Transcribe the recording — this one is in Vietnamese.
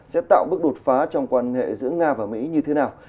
sẽ tạo bước đột phá trong quan hệ giữa nga và mỹ như thế nào